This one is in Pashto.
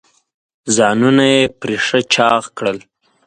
ځانونه یې پرې ښه چاغ کړل.